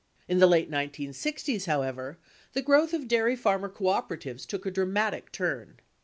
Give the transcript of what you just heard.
In the late 1960's, however, the growth of dairy farmer cooperatives took a dramatic turn.